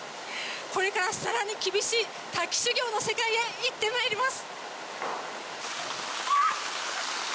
これから更に厳しい滝修行の世界へ行ってまいります！